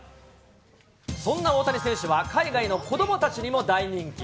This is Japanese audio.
そんな大谷選手は、海外の子どもたちにも大人気。